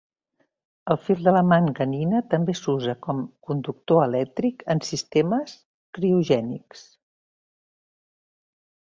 El fil de manganina també s'usa con conductor elèctric en sistemes criogènics.